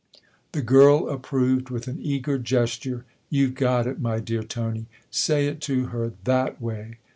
" The girl approved with an eager gesture. " You've got it, my dear Tony. Say it to her that way